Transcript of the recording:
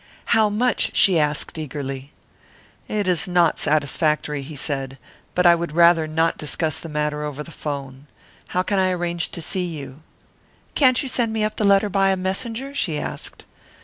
"How much?" she asked eagerly. "It is not satisfactory," he said. "But I would rather not discuss the matter over the 'phone. How can I arrange to see you?" "Can't you send me up the letter by a messenger?" she asked.